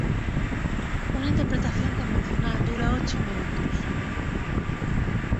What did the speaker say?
Una interpretación convencional dura ocho minutos.